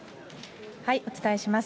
お伝えします。